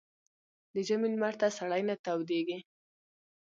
ـ د ژمي لمر ته سړى نه تودېږي.